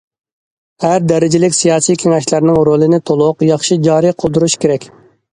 ھەر دەرىجىلىك سىياسىي كېڭەشلەرنىڭ رولىنى تولۇق، ياخشى جارى قىلدۇرۇش كېرەك.